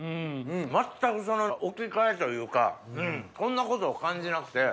全く置き換えというかそんなことを感じなくて。